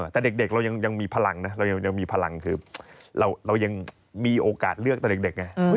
แต่เด็กเรายังมีพลังนะเรายังมีพลังคือเรายังมีโอกาสเลือกตอนเด็กไง